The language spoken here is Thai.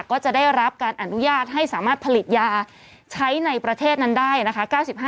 ก็จะได้รับการอนุญาตให้สามารถผลิตยาใช้ในประเทศนั้นได้นะคะ